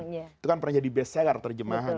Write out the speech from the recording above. itu kan pernah jadi best seller terjemahan